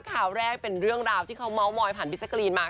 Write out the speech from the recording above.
ข่าวแรกเป็นเรื่องราวที่เขาเมาส์มอยผ่านพี่แจกรีนมา